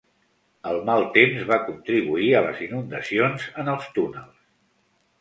El mal temps va contribuir a les inundacions en els túnels.